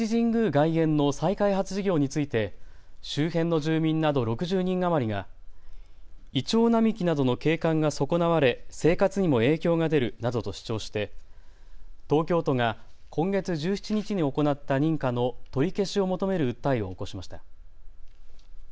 外苑の再開発事業について周辺の住民など６０人余りがイチョウ並木などの景観が損なわれ生活にも影響が出るなどと主張して東京都が今月１７日に行った認可の取り消しを求める訴えを起こしました。